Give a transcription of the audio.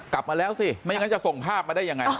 กลับมาแล้วสิไม่อย่างนั้นจะส่งภาพมาได้ยังไง